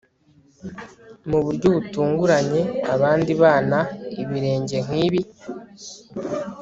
mu buryo butunguranye, abandi bana, ibirenge nkibi